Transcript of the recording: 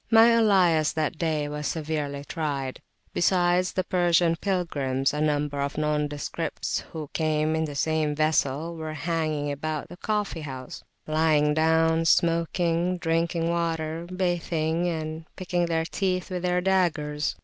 My alias that day was severely tried. Besides the Persian pilgrims, a number of nondescripts who came in the same vessel were hanging about the coffee house; lying down, smoking, drinking water, bathing and picking their teeth with their daggers.